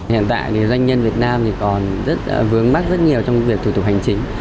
hiện tại doanh nhân việt nam còn vướng mắt rất nhiều trong việc thủ tục hành chính